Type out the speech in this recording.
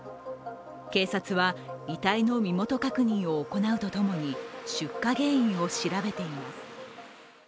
警察は遺体の身元確認を行うとともに、出火原因を調べています。